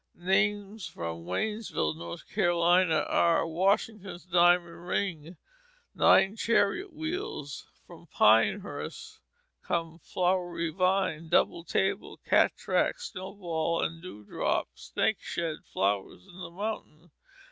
Names from Waynesville, North Carolina, are "Washington's Diamond Ring," "Nine Chariot Wheels"; from Pinehurst come "Flowery Vine," "Double Table," "Cat Track," "Snow Ball and Dew Drop," "Snake Shed," "Flowers in the Mountains."